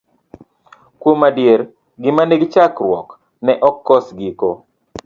Kuom adier gima nigi chakruok ne ok kos giko.